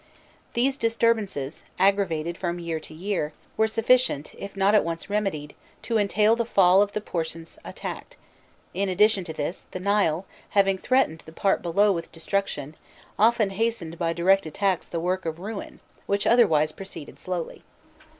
These disturbances, aggravated from year to year, were sufficient, if not at once remedied, to entail the fall of the portions attacked; in addition to this, the Nile, having threatened the part below with destruction, often hastened by direct attacks the work of ruin, which otherwise proceeded slowly.